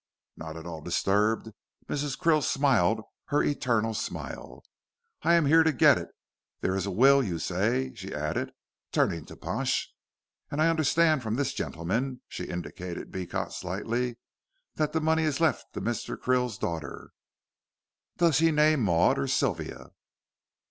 Not at all disturbed, Mrs. Krill smiled her eternal smile. "I am here to get it. There is a will, you say," she added, turning to Pash. "And I understand from this gentleman," she indicated Beecot slightly, "that the money is left to Mr. Krill's daughter. Does he name Maud or Sylvia?"